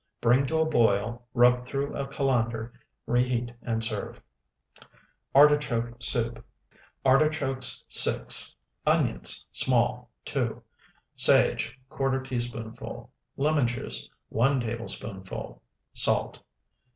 Bring to a boil, rub through a colander, reheat, and serve. ARTICHOKE SOUP Artichokes, 6. Onions, small, 2. Sage, ¼ teaspoonful. Lemon juice, 1 tablespoonful. Salt.